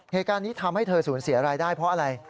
เหตุการณ์นี้ทำให้เธอสูญเสียรายได้เพราะอะไร